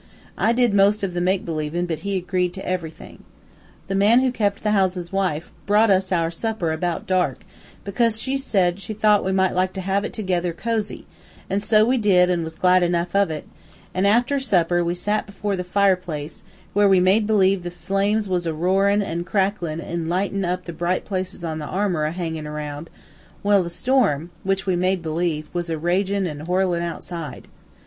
I did most of the make believin' but he agreed to ev'rything. The man who kep' the house's wife brought us our supper about dark, because she said she thought we might like to have it together cozy, an' so we did, an' was glad enough of it; an' after supper we sat before the fire place, where we made believe the flames was a roarin' an' cracklin' an' a lightin' up the bright places on the armor a hangin' aroun', while the storm which we made believe was a ragin' an' whirlin' outside.